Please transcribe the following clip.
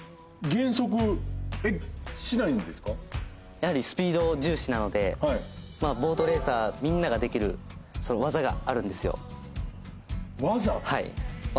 やはりスピード重視なので、ボートレーサーみんなができる技があるんですよ。